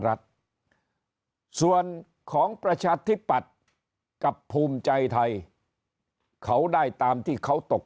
รัฐส่วนของประชาธิปัตย์กับภูมิใจไทยเขาได้ตามที่เขาตก